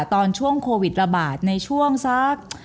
ตอนช่วงโควิดระบาดในช่วงสัก